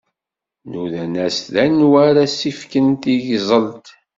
Nudan-as-d anwa ara s-d-ifken tigẓelt.